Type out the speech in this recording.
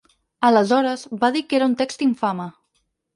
Aleshores, va dir que era un text ‘infame’.